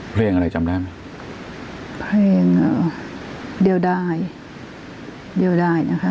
เพลงอะไรจำได้ไหมเพลงเอ่อเดียวดายเดียวดายนะคะ